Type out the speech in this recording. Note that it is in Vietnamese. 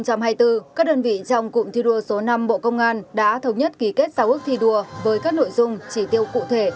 các đơn vị trong cụm thi đua số năm bộ công an đã thống nhất ký kết giao ước thi đua với các nội dung chỉ tiêu cụ thể